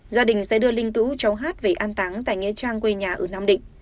gia đình sẽ đưa linh tửu cháu hát về an tán tại nghệ trang quê nhà ở nam định